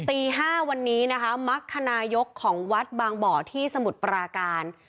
ตี๕วันนี้นะคะมรรคนายกของวัดบางบ่อที่สมุทรปราการ